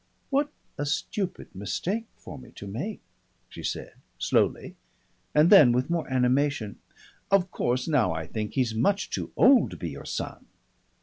"What a stupid mistake for me to make!" she said slowly; and then with more animation, "Of course, now I think, he's much too old to be your son!"